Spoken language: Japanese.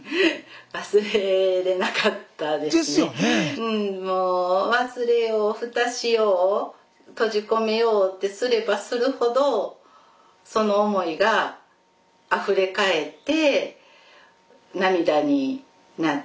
うんもう忘れようふたしよう閉じ込めようってすればするほどその思いがあふれかえって涙になって。